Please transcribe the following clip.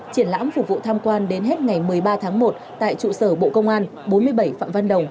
triển lãm phục vụ tham quan đến hết ngày một mươi ba tháng một tại trụ sở bộ công an bốn mươi bảy phạm văn đồng